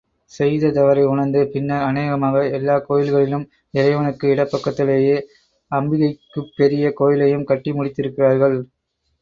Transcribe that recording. செய்த தவறை உணர்ந்து பின்னர் அநேகமாக எல்லாக் கோயில்களிலும் இறைவனுக்கு இடப்பக்கத்திலேயே அம்பிகைக்குப் பெரிய கோயிலையும் கட்டி முடித்திருக்கிறார்கள்.